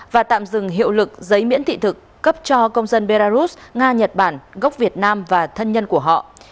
và tạm dừng hiệu lực giấy miễn thị thực cấp cho công dân belarus nga nhật bản gốc việt nam và thân nhân của họ